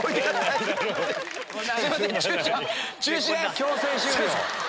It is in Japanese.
強制終了。